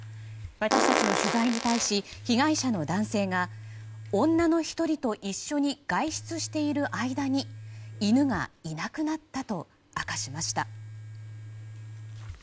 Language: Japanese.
私たちの取材に対し被害者の男性が女の１人と一緒に外出している間に犬がいなくなったと明かしました。